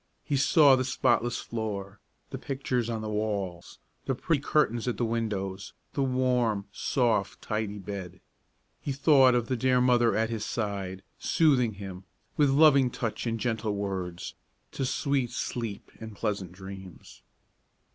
He saw the spotless floor, the pictures on the walls, the pretty curtains at the windows, the warm, soft, tidy bed. He thought of the dear mother at his side, soothing him, with loving touch and gentle words, to sweet sleep and pleasant dreams.